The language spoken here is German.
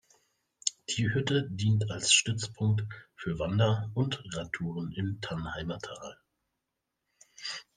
Die Hütte dient als Stützpunkt für Wander- und Radtouren im Tannheimer Tal.